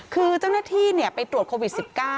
คือเจ้าหน้าที่ไปตรวจโควิด๑๙